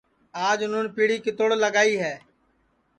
آج اُنون پیڑی کِتوڑ لگائی ہے